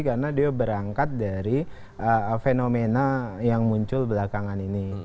karena dia berangkat dari fenomena yang muncul belakangan ini